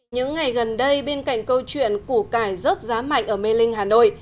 những ngày gần đây bên cạnh câu chuyện củ cải rớt giá mạnh ở mê linh hà nội